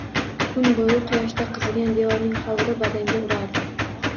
Kun boʻyi quyoshda qizigan devorning hovuri badanga urardi